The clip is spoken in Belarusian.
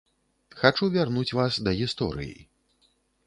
Хачу вярнуць вас да гісторыі.